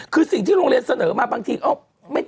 คือสิ่งที่โรงเรียนเสนอมาบางที